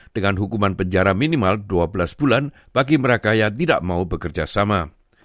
dengan hukuman penjara minimal dua belas bulan bagi mereka yang tidak mau bekerja sama